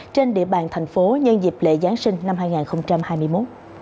trên địa bàn thành phố nhân dịp lễ giáng sinh năm hai nghìn hai mươi một